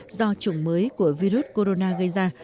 do chủng mới của virus corona gây ra